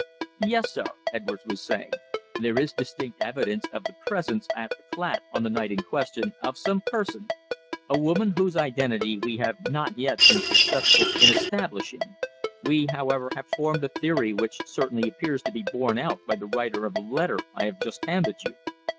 "Yes, sir," Edwards was saying. "There is distinct evidence of the presence at the flat on the night in question of some person a woman whose identity we have not yet been successful in establishing. We, however, have formed a theory which certainly appears to be borne out by the writer of the letter I have just handed you."